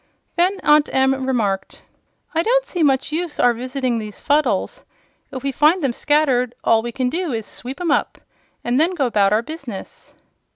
Then Aunt Em remarked: "I don't see much use our visitin' these Fuddles. If we find them scattered, all we can do is to sweep 'em up, and then go about our business."